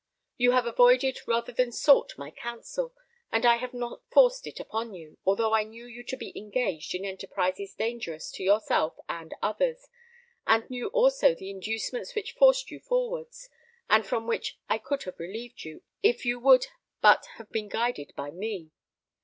You have avoided rather sought my counsel; and I have not forced it upon you, although I knew you to be engaged in enterprises dangerous to yourself and others, and knew also the inducements which forced you forwards, and from which I could have relieved you, if you would but have been guided by me.